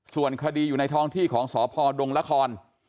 ส่วนคดีอยู่ในท้องที่ของสพดงละคร